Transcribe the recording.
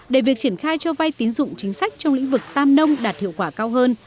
để việc triển khai cho vay tín dụng chính sách trong lĩnh vực tam nông đạt hiệu quả cao hơn